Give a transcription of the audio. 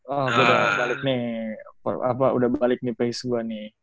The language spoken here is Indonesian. oh udah balik nih apa udah balik nih pace gue nih